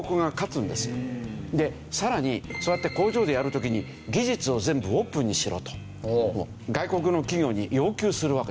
さらにそうやって工場でやる時に技術を全部オープンにしろと外国の企業に要求するわけです。